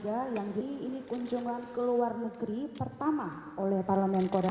ini kunjungan ke luar negeri pertama oleh parlemen korea